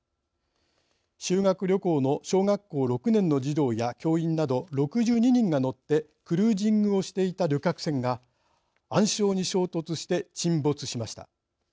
修学旅行の小学校６年の児童や教員など、６２人が乗ってクルージングをしていた旅客船が暗礁に衝突して沈没しました。